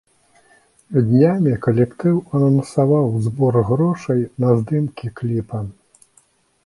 Днямі калектыў анансаваў збор грошай на здымкі кліпа.